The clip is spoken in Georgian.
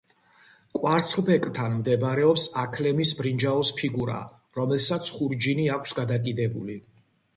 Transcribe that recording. კვარცხლბეკთან მდებარეობს აქლემის ბრინჯაოს ფიგურა, რომელსაც ხურჯინი აქვს გადაკიდებული.